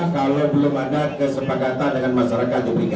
kalau belum ada kesepakatan dengan masyarakat diberikan